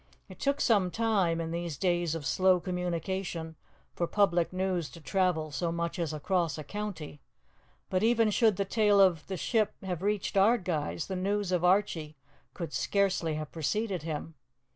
It took some time, in those days of slow communication, for public news to travel so much as across a county, but even should the tale of the ship have reached Ardguys, the news of Archie could scarcely have preceded him.